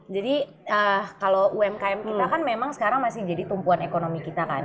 jadi kalau umkm kita kan memang sekarang masih jadi tumpuan ekonomi kita kan